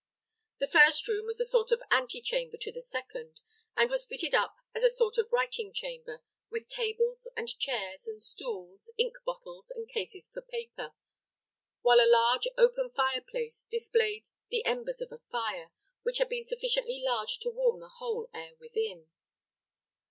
The first room was a sort of antechamber to the second, and was fitted up as a sort of writing chamber, with tables, and chairs, and stools, ink bottles and cases for paper, while a large, open fire place displayed the embers of a fire, which had been sufficiently large to warm the whole air within.